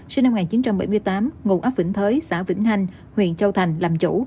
sinh năm một nghìn chín trăm bảy mươi tám ngụ ấp vĩnh thới xã vĩnh hành huyện châu thành làm chủ